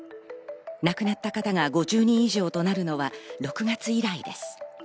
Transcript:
亡くなった方が５０人以上となるのは６月以来です。